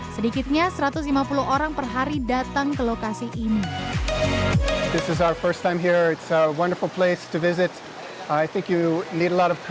sedikitnya satu ratus lima puluh orang per hari datang ke lokasi ini